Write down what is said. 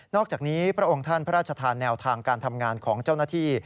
อกจากนี้พระองค์ท่านพระราชทานแนวทางการทำงานของเจ้าหน้าที่